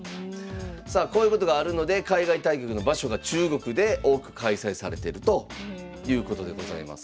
さあこういうことがあるので海外対局の場所が中国で多く開催されてるということでございます。